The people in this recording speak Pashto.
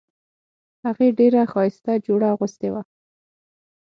هغې ډیره ښایسته جوړه اغوستې وه